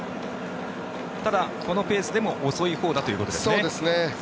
ただ、このペースでも遅いほうだということですね。